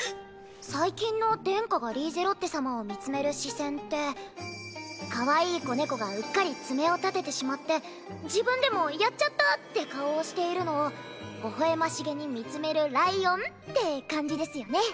最近の殿下がリーゼロッテ様を見つめる視線ってかわいい子猫がうっかり爪を立ててしまって自分でもやっちゃったって顔をしているのをほほ笑ましげに見つめるライオンって感じですよね。